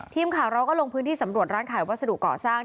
ทีมข่าวเราก็ลงพื้นที่สำรวจร้านขายวัสดุเกาะสร้าง